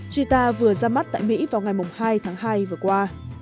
gita vừa ra mắt tại mỹ vào ngày hai tháng hai vừa qua